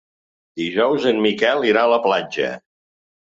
Dijous en Miquel irà a la platja.